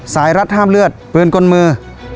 รัดห้ามเลือดปืนกลมือ